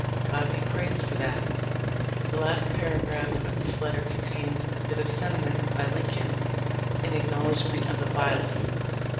God be praised for that !" The last paragraph of this letter contains a bit of sentiment by Lincoln in acknowledgment of a violet.